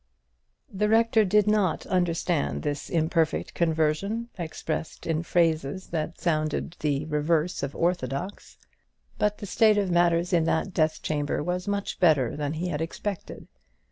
The rector did not understand this imperfect conversion, expressed in phrases that sounded the reverse of orthodox; but the state of matters in that death chamber was much better than he had expected.